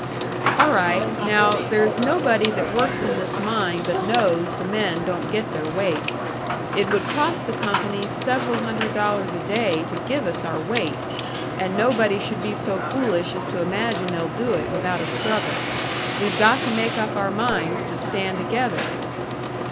"All right. Now, there's nobody that works in this mine but knows the men don't get their weight. It would cost the company several hundred dollars a day to give us our weight, and nobody should be so foolish as to imagine they'll do it without a struggle. We've got to make up our minds to stand together."